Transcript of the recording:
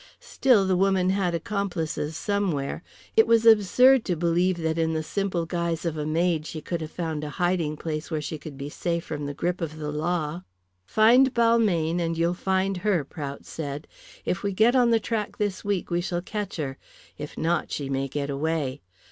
Still, the woman had accomplices somewhere. It was absurd to believe that in the simple guise of a maid she could have found a hiding place where she would be safe from the grip of the law. "Find Balmayne, and you'll find her," Prout said. "If we get on the track this week we shall catch her, if not, she may get away.